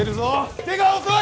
手が遅い！